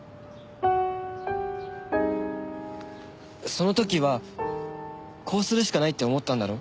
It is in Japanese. その時はこうするしかないって思ったんだろ？